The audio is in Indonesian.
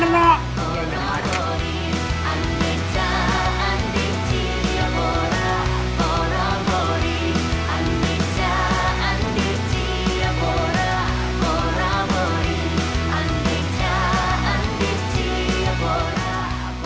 pegangin yang bener nak